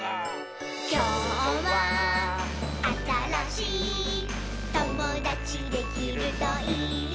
「きょうはあたらしいともだちできるといいね」